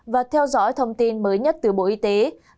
và theo dõi thông tin mới nhất từ bộ y tế